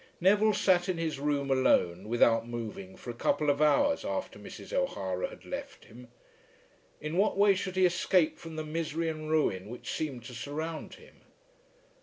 Neville sat in his room alone, without moving, for a couple of hours after Mrs. O'Hara had left him. In what way should he escape from the misery and ruin which seemed to surround him?